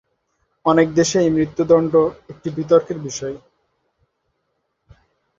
অনেক দেশেই মৃত্যুদণ্ড একটি বিতর্কের বিষয়।